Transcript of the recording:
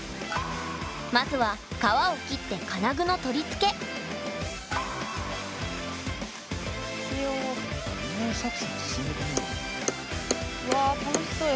まずは革を切って金具の取り付けわ楽しそう。